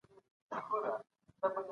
ایا باران د شپې په کلي کې وورېد؟